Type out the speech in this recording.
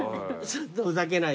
ふざけないで。